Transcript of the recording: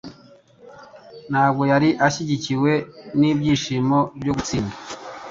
ntabwo yari ashyigikiwe n'ibyishimo byo gutsinda.